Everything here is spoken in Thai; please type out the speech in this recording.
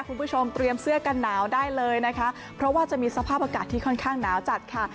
คุณผู้ชมเตรียมเสื้อกันหนาวได้เลยนะคะเพราะว่าจะมีสภาพอากาศที่ค่อนข้างหนาวจัดค่ะ